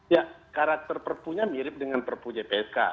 ya karakter prpu nya mirip dengan prpu jpsk